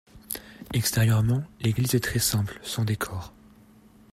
Extérieurement, l'église est très simple, sans décor.